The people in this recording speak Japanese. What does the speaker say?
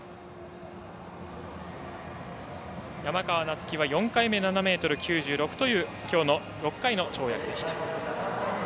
山川夏輝、４回目７ｍ９６というきょうの６回の跳躍でした。